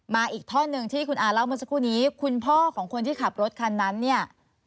อีกท่อนหนึ่งที่คุณอาเล่าเมื่อสักครู่นี้คุณพ่อของคนที่ขับรถคันนั้นเนี่ย